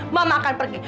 mama akan pergi